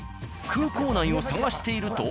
空港内を探していると。